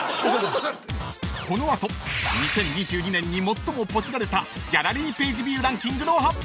［この後２０２２年に最もポチられたギャラリーページビューランキングの発表］